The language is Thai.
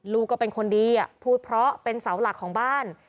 ลูกก็เป็นคนดีพูดเพราะเป็นเสาหลักของบ้าน